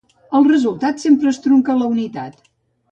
El resultat sempre es trunca a la unitat.